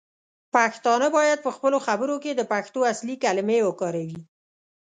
پښتانه باید پخپلو خبرو کې د پښتو اصلی کلمې وکاروي.